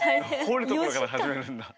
掘るところから始めるんだ。